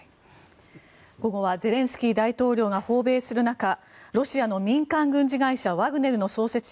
午後はゼレンスキー大統領が訪米する中ロシアの民間軍事会社ワグネルの創設者